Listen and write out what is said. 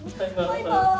バイバーイ。